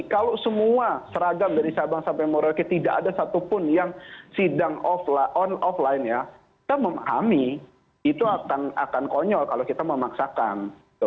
kalau semua seragam dari sabang sampai merauke tidak ada satupun yang sidang on offline ya kita memahami itu akan konyol kalau kita memaksakan